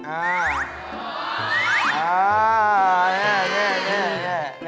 อ้าว